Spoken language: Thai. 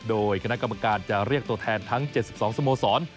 โดยคณะกรรมการจะเรียกตัวแทนทั้ง๗๒สโมสร